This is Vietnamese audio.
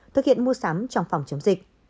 thực hiện mua sắm trong phòng chống dịch